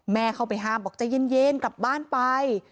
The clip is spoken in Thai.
เข้าไปห้ามบอกใจเย็นกลับบ้านไป